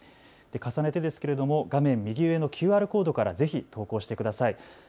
重ねてですけれども画面右上のＱＲコードからぜひ投稿してください。